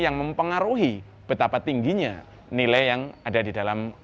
yang mempengaruhi betapa tingginya nilai yang ada di dalam